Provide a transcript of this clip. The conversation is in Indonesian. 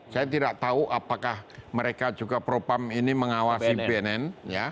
saya tidak tahu apakah mereka juga propam ini mengawasi bnn